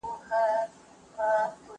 زه مخکي مېوې وچولي وې،